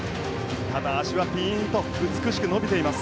ただ脚はピンと美しく伸びています。